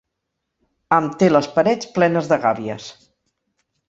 Em té les parets plenes de gàbies.